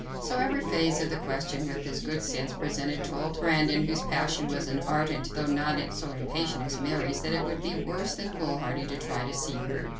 So every phase of the question which his good sense presented told Brandon, whose passion was as ardent though not so impatient as Mary's, that it would be worse than foolhardy to try to see her.